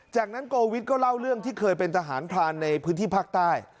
จากนั้นโกวิทก็เล่าเรื่องที่เคยเป็นทหารพรานในพื้นที่ภาคใต้